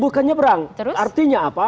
bukan nyebrang artinya apa